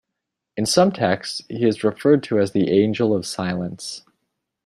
In some texts, he is referred to as the Angel of Silence.